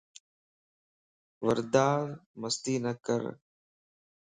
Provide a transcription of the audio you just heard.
وردا مستي نڪر